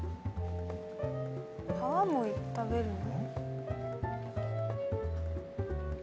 皮も食べるの？